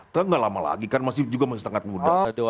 kan nggak lama lagi kan masih juga masih sangat muda